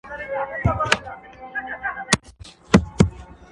د ژوندي وصال شېبې دي لکه خوب داسي پناه سوې!!